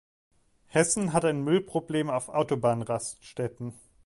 Hessen hat ein Müllproblem auf Autobahnraststätten.